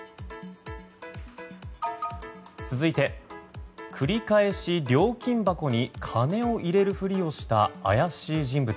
続いて、繰り返し料金箱に金を入れるふりをした怪しい人物。